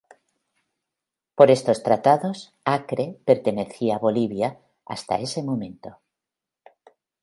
Por estos tratados, Acre pertenecía a Bolivia hasta ese momento.